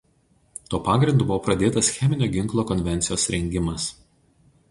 Tuo pagrindu buvo pradėtas Cheminio ginklo konvencijos rengimas.